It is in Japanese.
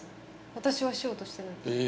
私はしようとしてないですえ